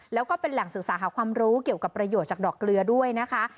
แล้วก็เป็นแหล่งศึกษาหาความรู้เกี่ยวกับประโยชน์จากดอกเกลือด้วยนะคะ